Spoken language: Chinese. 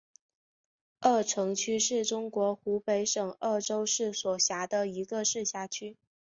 鄂城区是中国湖北省鄂州市所辖的一个市辖区。